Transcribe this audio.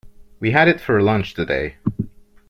We had it for lunch today.